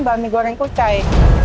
ban mie goreng kucai